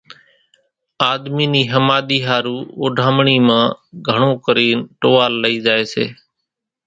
آۮمِي نِي ۿماۮِي ۿارُو اوڍامڻي مان گھڻون ڪرين ٽووال لئي زائي سي ۔